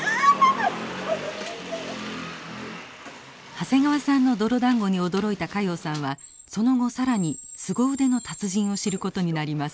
長谷川さんの泥だんごに驚いた加用さんはその後更にすご腕の達人を知ることになります。